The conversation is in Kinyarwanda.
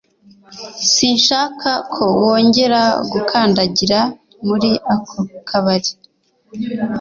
sinshaka ko wongera gukandagira muri ako kabari